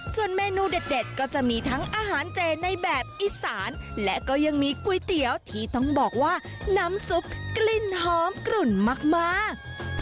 ส่วนเมนูเด็ดก็จะมีทั้งอาหารเจในแบบอีสานและก็ยังมีก๋วยเตี๋ยวที่ต้องบอกว่าน้ำซุปกลิ่นหอมกลุ่นมาก